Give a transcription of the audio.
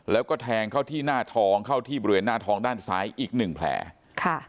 แล้วก็แทงเข้าที่หน้าท้องเข้าที่บริเวณหน้าท้องด้านซ้ายอีกหนึ่งแผลค่ะ